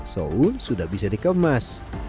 soun sudah bisa dikemas